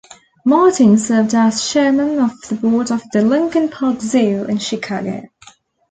Martin served as Chairman of the Board of the Lincoln Park Zoo in Chicago.